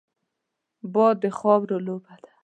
باد د خاورو لوبه ده